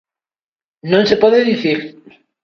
Non se pode dicir.